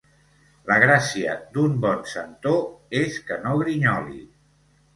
La gràcia d'un bon centó és que no grinyoli.